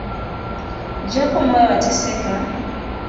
Japo moyo wateseka